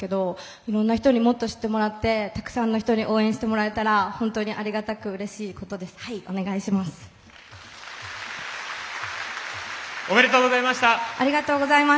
いろんな人にもっと知ってもらってたくさんの人に応援してもらえたら本当にありがたくうれしいことです。